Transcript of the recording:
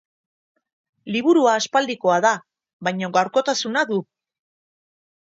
Liburua aspaldikoa da, baina gaurkotasuna du.